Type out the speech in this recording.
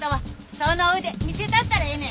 その腕見せたったらええねん！